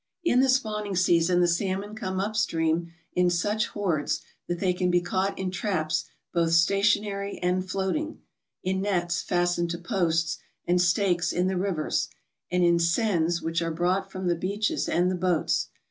In the spawning season the salmon come up stream in such hordes that they can be caught in traps both station ary and floating, in nets fastened to posts and stakes in the rivers, and in seines which are brought from the beaches and the boats.